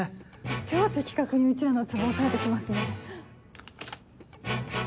超的確にうちらのツボ押さえて来ますね。